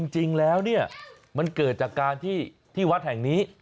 จริงแล้วเนี่ยมันเกิดจากการที่วัดแห่งนี้